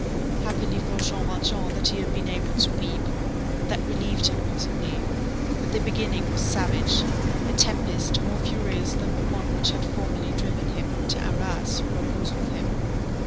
Happily for Jean Valjean that he had been able to weep. That relieved him, possibly. But the beginning was savage. A tempest, more furious than the one which had formerly driven him to Arras, broke loose within him.